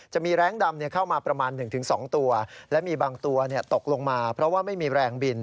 จะมีแรงดำเข้ามาประมาณ๑๒ตัวและมีบางตัวตกลงมาเพราะว่าไม่มีแรงบิน